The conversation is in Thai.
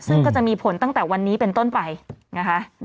ซึ่งก็จะมีผลตั้งแต่วันนี้เป็นต้นไปนะคะ